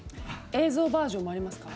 映像バージョンもありますか？